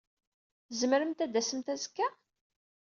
Tzemremt ad d-tasemt azekka?